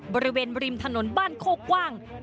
บริเวณริมถนนบ้านโคกว้าง